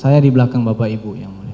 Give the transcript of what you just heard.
saya di belakang bapak ibu yang mulia